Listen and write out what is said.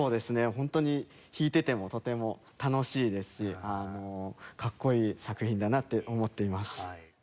本当に弾いててもとても楽しいですしかっこいい作品だなって思っています。